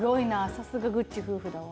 さすがぐっち夫婦だわ。